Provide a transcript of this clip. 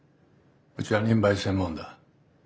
うちは任売専門だ。